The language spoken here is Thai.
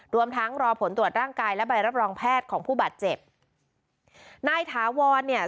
รวมทั้งรอผลตรวจร่างกายและใบรับรองแพทย์ของผู้บาดเจ็บนายถาวรเนี่ย